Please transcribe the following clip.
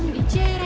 masih ya lo